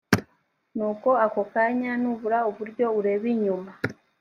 nuko ako kanya nubura uburyo urebe inyuma